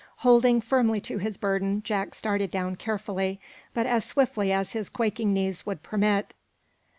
Holding firmly to his burden, Jack started down carefully, but as swiftly as his quaking knees would permit.